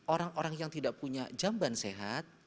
orang orang yang tidak punya jamban sehat